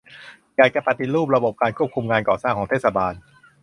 อยากจะปฏิรูประบบการควบคุมงานก่อสร้างของเทศบาล